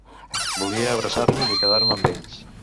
Volia abraçar-los i quedar-me amb ells.